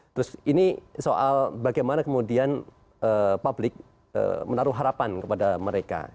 terus ini soal bagaimana kemudian publik menaruh harapan kepada mereka